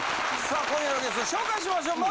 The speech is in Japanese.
さあ今夜のゲスト紹介しましょう